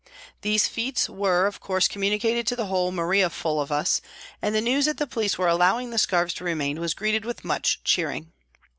These feats were, of course, communicated to the whole Maria full of us, and the news that the police were allowing the scarves to remain was greeted with much cheering.